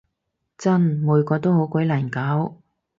真！每個都好鬼難搞